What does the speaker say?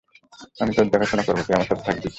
আমি তোর দেখাশোনা করবো তুই আমার সাথে থাকবি।